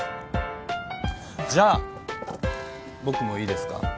じゃあ僕もいいですか？